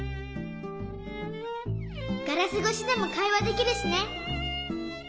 ガラスごしでもかいわできるしね。